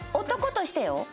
男としてよ。